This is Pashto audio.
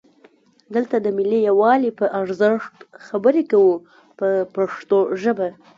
دلته د ملي یووالي په ارزښت خبرې کوو په پښتو ژبه.